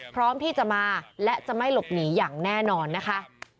พร้อมที่จะมาและจะไม่หลบหนีอย่างแน่นอนนะคะ